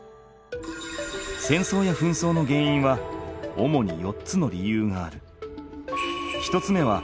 戦争や紛争の原因は主に４つの理由がある。